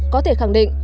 có thể khẳng định